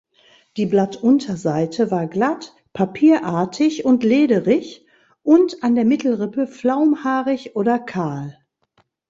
Die Blattunterseite war glatt, papierartig und lederig und an der Mittelrippe flaumhaarig oder kahl.